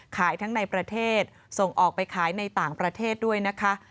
ขายทั้งในประเทศส่งออกไปขายในต่างประเทศด้วยนะคะ